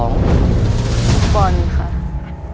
ฟุตบอลค่ะ